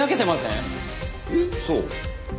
えっそう？